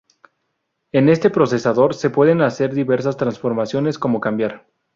En este procesador se pueden hacer diversas transformaciones como cambiar